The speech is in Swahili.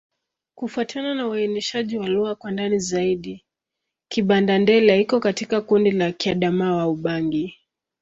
Kufuatana na uainishaji wa lugha kwa ndani zaidi, Kibanda-Ndele iko katika kundi la Kiadamawa-Ubangi.